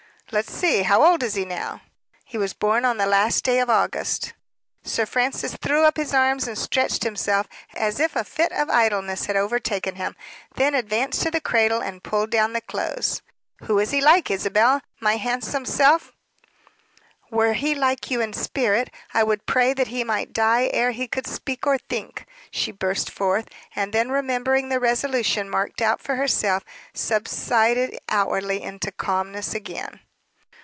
"Let's see how old is he now?" "He was born on the last day of August." Sir Francis threw up his arms and stretched himself, as if a fit of idleness had overtaken him; then advanced to the cradle and pulled down the clothes. "Who is he like, Isabel? My handsome self?" "Were he like you in spirit, I would pray that he might die ere he could speak, or think!" she burst forth. And then remembering the resolution marked out for herself, subsided outwardly into calmness again.